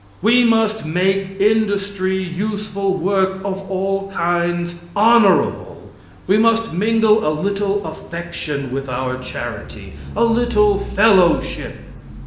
We must make industry useful work of all kinds honorable. We must mingle a little affection with our charity a little fellowship.